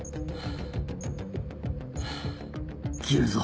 切るぞ。